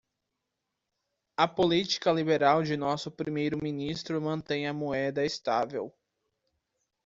A política liberal de nosso primeiro ministro mantém a moeda estável.